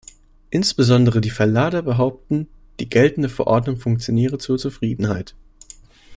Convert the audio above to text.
Insbesondere die Verlader behaupten, die geltende Verordnung funktioniere zur Zufriedenheit.